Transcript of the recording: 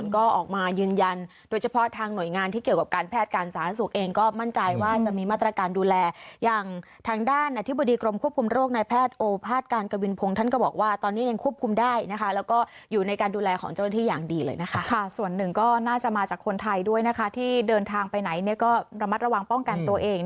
ก็ออกมายืนยันโดยเฉพาะทางหน่วยงานที่เกี่ยวกับการแพทย์การสาธารณสุขเองก็มั่นใจว่าจะมีมาตรการดูแลอย่างทางด้านอธิบดีกรมควบคุมโรคในแพทย์โอภาษการกวินพงศ์ท่านก็บอกว่าตอนนี้ยังควบคุมได้นะคะแล้วก็อยู่ในการดูแลของเจ้าหน้าที่อย่างดีเลยนะคะค่ะส่วนหนึ่งก็น่าจะมาจากคนไทยด้วยนะคะที่เดินทางไปไหนเนี่ยก็ระมัดระวังป้องกันตัวเอง